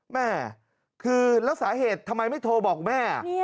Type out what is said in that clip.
แม่คือแล้วสาเหตุทำไมไม่โทรบอกแม่